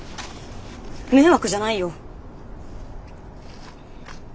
迷惑じゃないよ。